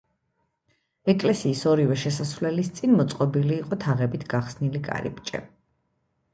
ეკლესიის ორივე შესასვლელის წინ მოწყობილი იყო თაღებით გახსნილი კარიბჭე.